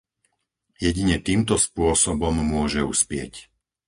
Jedine týmto spôsobom môže uspieť.